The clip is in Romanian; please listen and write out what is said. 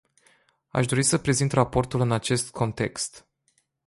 Aș dori să prezint raportul în acest context.